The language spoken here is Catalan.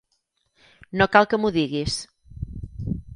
No cal que m'ho diguis.